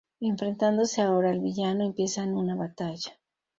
Enfrentándose ahora al villano, empiezan una batalla.